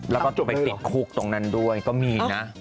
แล้วก็ไปติดคุกตรงนั้นด้วยก็มีนะ